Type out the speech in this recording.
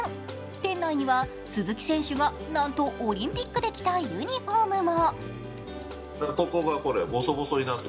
店内には鈴木選手がなんとオリンピックで着たユニフォームも。